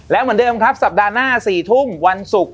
แล้วเหมือนเดิมครับสัปดาห์หน้า๔ทุ่มวันศุกร์